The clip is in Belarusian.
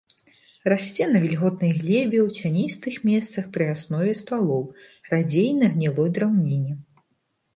Расце на вільготнай глебе ў цяністых месцах пры аснове ствалоў, радзей на гнілой драўніне.